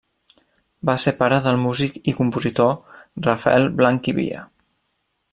Va ser pare del músic i compositor Rafael Blanch i Via.